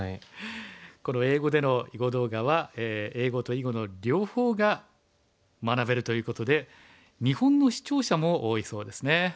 この英語での囲碁動画は英語と囲碁の両方が学べるということで日本の視聴者も多いそうですね。